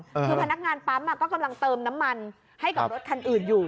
คือพนักงานปั๊มก็กำลังเติมน้ำมันให้กับรถคันอื่นอยู่